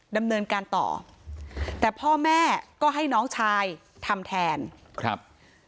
ดำเนินการต่อแต่พ่อแม่ก็ให้น้องชายทำแทนครับ